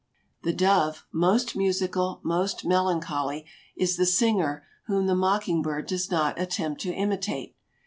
The dove, "most musical, most melancholy," is the singer whom the mocking bird does not attempt to imitate.